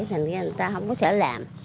thành ra người ta không có sở làm